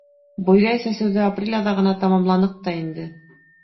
Бойҙай сәсеүҙе апрель аҙағына тамамланыҡ та инде.